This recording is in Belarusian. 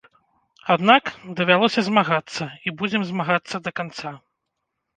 Аднак, давялося змагацца і будзем змагацца да канца.